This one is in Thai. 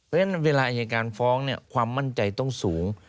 เพราะฉะนั้นเวลาอายการฟ้องความมั่นใจต้องสูง